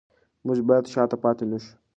موږ باید شاته پاتې نشو.